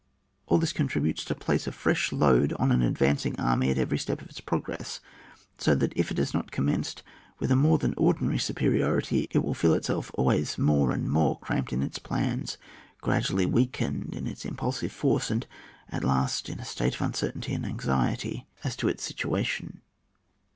All this contributes to place a fresh load on an advancing army at every step of its progress ; so that if it has not com menced with a more than ordinary supe riority, it will feel itself always more and more cramped in its plans, gradually weakened in its impulsive force, and at last in a state of uncertainty and anxiety as to its situation.